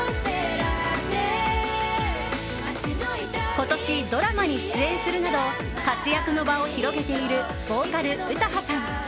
今年、ドラマに出演するなど活躍の場を広げているボーカル、詩羽さん。